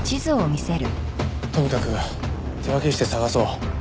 とにかく手分けして捜そう。